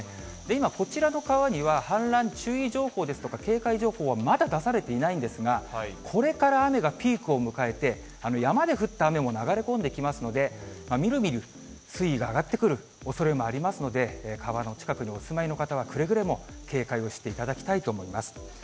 今、こちらの川には氾濫注意情報ですとか警戒情報はまだ出されていないんですが、これから雨がピークを迎えて、山で降った雨も流れ込んできますので、みるみる水位が上がってくるおそれもありますので、川の近くにお住まいの方は、くれぐれも警戒をしていただきたいと思います。